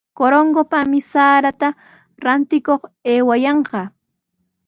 Corongopami sarata rantikuq aywayanqa.